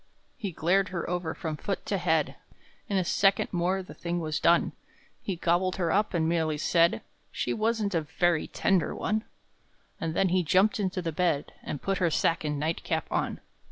He glared her over from foot to head; In a second more the thing was done! He gobbled her up, and merely said, "She wasn't a very tender one!" And then he jumped into the bed, And put her sack and night cap on.